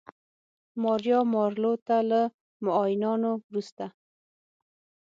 ماریا مارلو ته له معاینانو وروسته